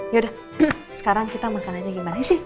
yaudah sekarang kita makan aja gimana sih